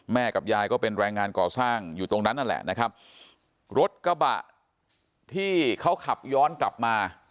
กับยายก็เป็นแรงงานก่อสร้างอยู่ตรงนั้นนั่นแหละนะครับรถกระบะที่เขาขับย้อนกลับมา